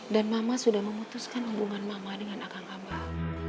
dan mama sudah memutuskan hubungan mama dengan akang abah